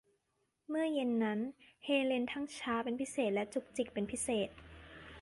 เมื่อเย็นนั้นเฮเลนทั้งช้าเป็นพิเศษและจุกจิกเป็นพิเศษ